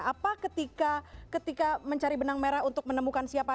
apa ketika mencari benang merah untuk menemukan siapa